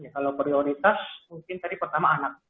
kalau prioritas mungkin tadi pertama anak